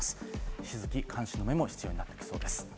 引き続き監視の目も必要になっていきそうです。